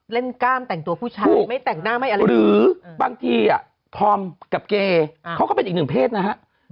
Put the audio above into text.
กล้ามแต่งตัวผู้ชายไม่แต่งหน้าไม่อะไรหรือบางทีธอมกับเกเขาก็เป็นอีกหนึ่งเพศนะฮะ